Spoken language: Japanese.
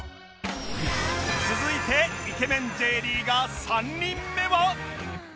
続いてイケメン Ｊ リーガー３人目は